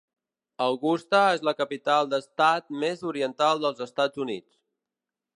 Augusta és la capital d'estat més oriental dels Estats Units.